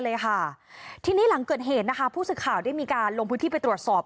เลยค่ะทีนี้หลังเกิดเหตุนะคะผู้สื่อข่าวได้มีการลงพื้นที่ไปตรวจสอบ